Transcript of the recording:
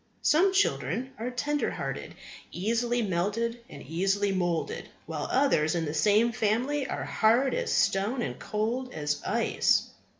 Some children are tender hearted, easily melted, and easily moulded; while others in the same family are hard as stone and cold as ice.